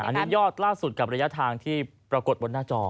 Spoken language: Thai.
อันนี้ยอดล่าสุดกับระยะทางที่ปรากฏบนหน้าจอ